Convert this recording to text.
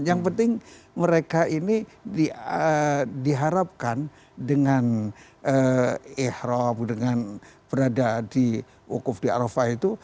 yang penting mereka ini diharapkan dengan ikhrab dengan berada di wukuf di arafah itu